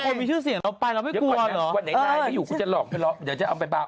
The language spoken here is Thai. อยากมาเดี๋ยวก่อนไหมว่าไหนใดให้อยู่พี่จะหลอกเธอล็อคเดี๋ยวจะเอาไปบ้าน